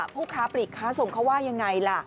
พวกค้าปฏิการ์ค้าส่งเขาว่ายังไงล่ะ